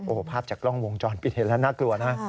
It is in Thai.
โอ้โหภาพจากกล้องวงจรปิดเห็นแล้วน่ากลัวนะ